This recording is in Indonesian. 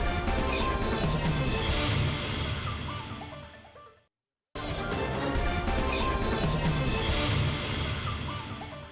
selamat datang lagi di ruangan what's up